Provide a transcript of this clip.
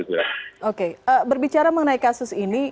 oke berbicara mengenai kasus ini